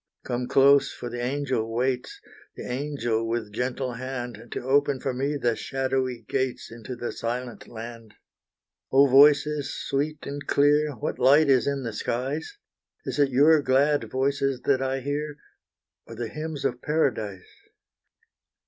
Come close for the angel waits The angel with gentle hand, To open for me the shadowy gates, Into the silent land. Oh, voices sweet and clear What light is in the skies? Is it your glad voices that I hear Or the hymns of paradise?